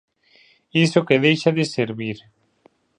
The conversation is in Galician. Iso que deixa de servir.